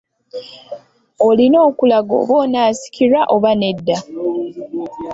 Olina okulaga oba onaasikirwa oba nedda.